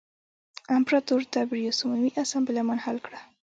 امپراتور تبریوس عمومي اسامبله منحل کړه